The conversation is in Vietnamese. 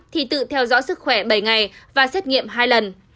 thì tự theo dõi sức khỏe bảy ngày và xét nghiệm hai lần